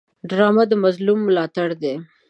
ډرامه د مظلوم ملاتړ ده